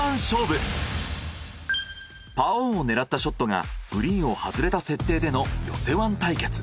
パーオンを狙ったショットがグリーンを外れた設定での寄せワン対決。